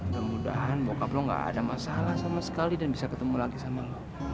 semoga bokap lo gak ada masalah sama sekali dan bisa ketemu lagi sama lo